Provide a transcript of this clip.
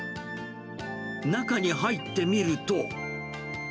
中に入ってみると。